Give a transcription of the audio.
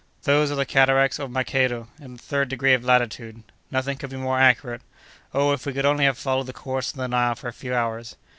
"Those are the cataracts of Makedo, in the third degree of latitude. Nothing could be more accurate. Oh, if we could only have followed the course of the Nile for a few hours!"